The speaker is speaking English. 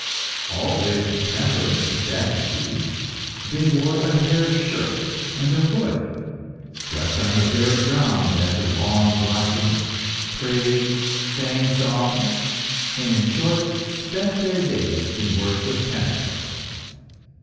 All lived in temperance and chastity; they wore a hair shirt and a hood, slept on the bare ground after long watching, prayed, sang psalms, and, in short, spent their days in works of penitence.